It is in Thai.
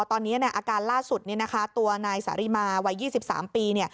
ตอนนี้อาการล่าสุดตัวนายสาริมาวัย๒๓ปี